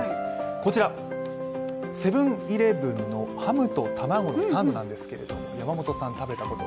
こちらセブン−イレブンのハムとたまごのサンドなんですけど山本さん、食べたことは？